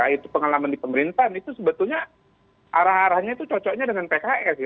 itu pengalaman di pemerintahan itu sebetulnya arah arahnya itu cocoknya dengan pks